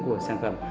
của sản phẩm